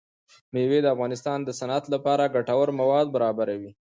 مېوې د افغانستان د صنعت لپاره ګټور مواد برابروي.